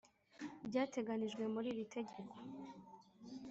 byateganyijwe muri iri tegeko